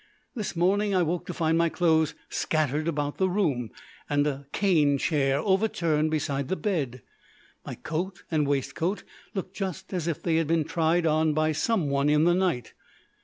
This morning I woke to find my clothes scattered about the room, and a cane chair overturned beside the bed. My coat and waistcoat looked just as if they had been tried on by someone in the night.